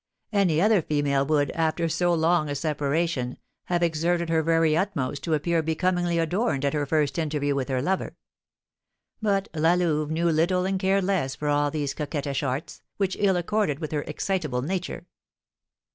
Any other female would, after so long a separation, have exerted her very utmost to appear becomingly adorned at her first interview with her lover; but La Louve knew little and cared less for all these coquettish arts, which ill accorded with her excitable nature.